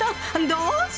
どうぞ！